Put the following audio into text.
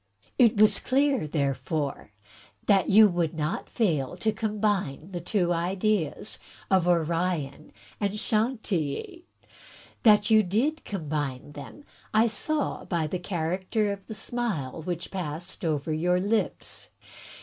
It was clear, therefore, that you would not fail to combine the two ideas of Orion and Chantilly. That you did combine them I saw by the character of the smile which passed over your lips.